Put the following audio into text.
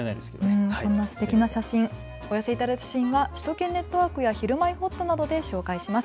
お寄せいただいた写真は首都圏ネットワークやひるまえほっとなどで紹介します。